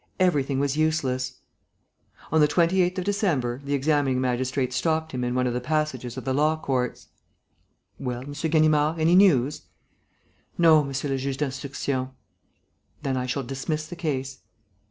Everything was useless. On the 28th of December, the examining magistrate stopped him in one of the passages of the Law Courts: "Well, M. Ganimard, any news?" "No, monsieur le juge d'instruction." "Then I shall dismiss the case."